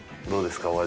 どうですか？